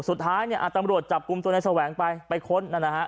สุดท้ายเนี่ยตำรวจจับกลุ่มตัวในแสวงไปไปค้นนะฮะ